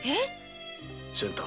仙太